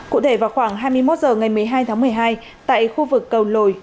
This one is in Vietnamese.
cụ thể vào khoảng hai mươi một h ngày một mươi hai tháng một mươi hai tại khu vực cầu lồi